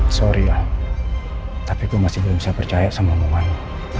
sorry lah tapi gue masih belum bisa percaya sama mama